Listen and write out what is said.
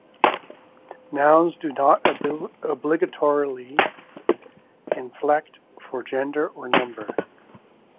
Nouns do not obligatorially inflect for gender or number.